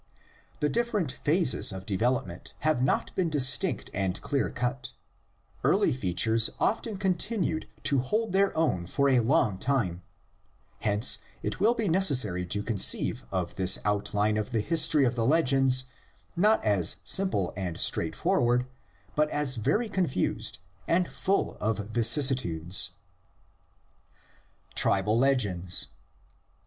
The different phases of development have not been distinct and clear cut: early features often continued to hold their own for a long time; hence it will be necessary to conceive of this outline of the history of the legends not as simple and straightforward, but as very confused and full of vicissitudes. TRIBAL LEGENDS.